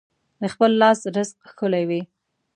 د خپل لاس رزق ښکلی وي.